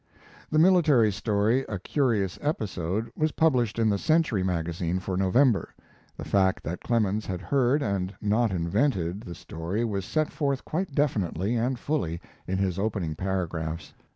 The military story "A Curious Episode" was published in the Century Magazine for November. The fact that Clemens had heard, and not invented, the story was set forth quite definitely and fully in his opening paragraphs.